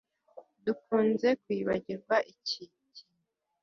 Dukunze kwibagirwa iki kintu